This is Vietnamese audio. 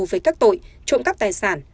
với các tội trộm cắp tài sản